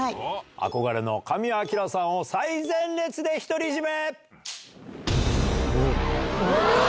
憧れの神谷明さんを最前列で独り占め！